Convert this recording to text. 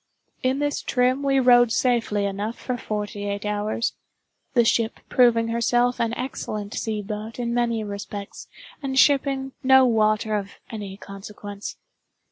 In this trim we rode safely enough for forty eight hours—the ship proving herself an excellent sea boat in many respects, and shipping no water of any consequence.